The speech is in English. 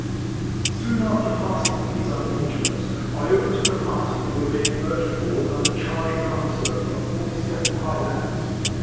Soon after passing these unfortunates, I overtook a party who were being urged forward under charge of an officer of the 42nd Highlanders.